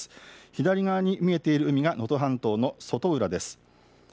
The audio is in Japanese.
左側に見えている海が能登半島の外浦です。